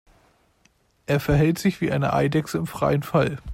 Er verhält sich wie eine Eidechse im freien Fall.